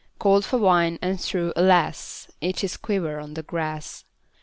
Called for wine, and threw — alas! — Each his quiver on the grass.